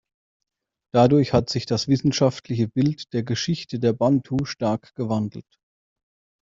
Dadurch hat sich das wissenschaftliche Bild der Geschichte der Bantu stark gewandelt.